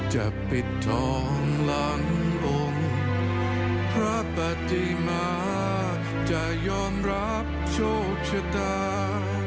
จะปิดทองหลังองค์พระปฏิมาจะยอมรับโชคชะตา